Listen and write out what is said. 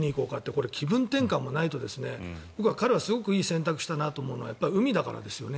これ、気分転換もないと彼はすごくいい選択をしたなと思うのはやっぱり海だからですよね。